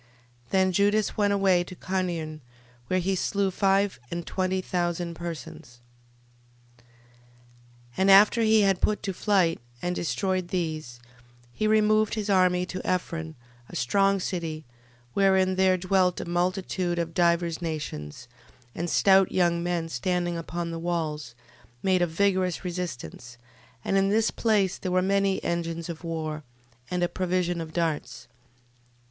12:26. Then Judas went away to Carnion, where he slew five and twenty thousand persons. 12:27. And after he had put to flight and destroyed these, he removed his army to Ephron, a strong city, wherein there dwelt a multitude of divers nations: and stout young men standing upon the walls, made a vigorous resistance: and in this place there were many engines of war, and a provision of darts.